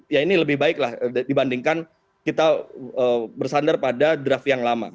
ya ini lebih baik lah dibandingkan kita bersandar pada draft yang lama